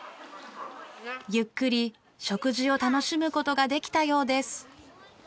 ゆっくり食事を楽しむ事ができたようです。